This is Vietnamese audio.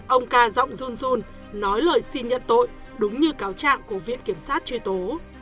ông ca giọng jong un nói lời xin nhận tội đúng như cáo trạng của viện kiểm sát truy tố